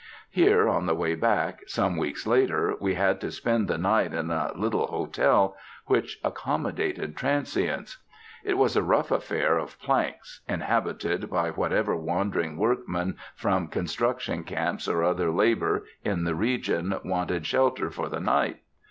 Here, on the way back, some weeks later, we had to spend the night in a little hotel which 'accommodated transients.' It was a rough affair of planks, inhabited by whatever wandering workman from construction camps or other labour in the region wanted shelter for the night.